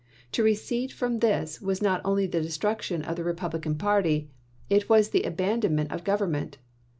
To recede from this was not only the destruction of the Re publican party; it was the abandonment of gov ernment.